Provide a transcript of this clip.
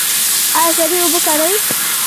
ایا سړې اوبه کاروئ؟